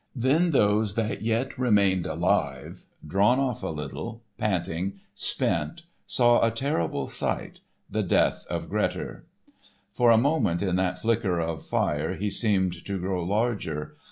Then those that yet remained alive, drawn off a little, panting, spent, saw a terrible sight—the death of Grettir. For a moment in that flicker of fire he seemed to grow larger.